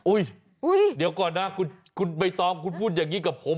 เดี๋ยวก่อนนะคุณใบตองคุณพูดอย่างนี้กับผม